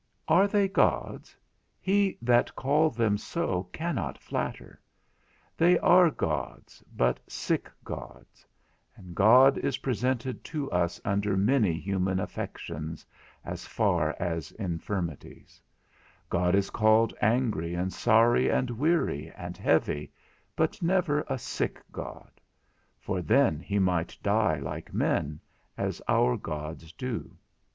Are they gods? He that called them so cannot flatter. They are gods, but sick gods; and God is presented to us under many human affections, as far as infirmities: God is called angry, and sorry, and weary, and heavy, but never a sick God; for then he might die like men, as our gods do.